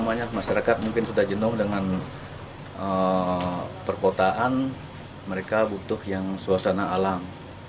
masyarakat mungkin sudah jenuh dengan perkotaan mereka butuh yang suasana alam